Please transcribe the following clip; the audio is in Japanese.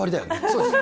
そうです。